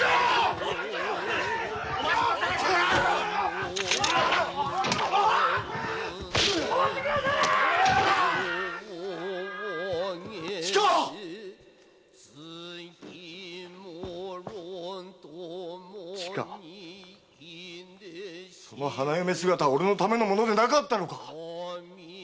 〔千佳その花嫁姿は俺のためのものではなかったのか⁉〕